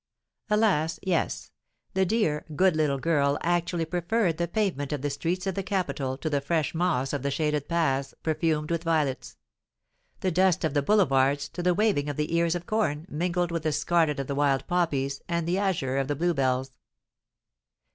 Alas, yes! the dear, good little girl actually preferred the pavement of the streets of the capital to the fresh moss of the shaded paths, perfumed with violets; the dust of the Boulevards to the waving of the ears of corn, mingled with the scarlet of the wild poppies and the azure of the bluebells.